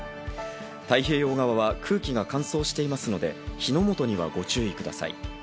太平洋側は空気が乾燥していますので、火の元にはご注意ください。